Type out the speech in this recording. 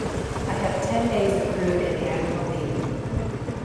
I have ten days accrued in annual leave.